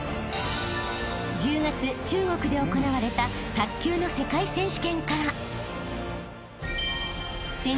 ［１０月中国で行われた卓球の世界選手権から］